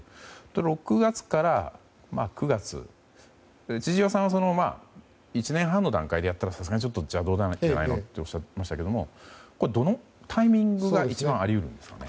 ６月から９月、千々岩さんは１年半の段階でやったらさすがにちょっと邪道だなとおっしゃっていましたがどのタイミングが一番あり得るんでしょうか？